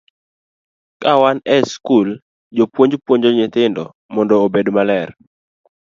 Ka wan e skul, jopuonj puonjo nyithindo mondo obed maler.